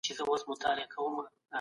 صبر د مېوې پخیدل دي.